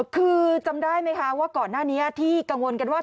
คือจำได้ไหมคะว่าก่อนหน้านี้ที่กังวลกันว่า